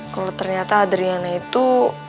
kalo ternyata adriana itu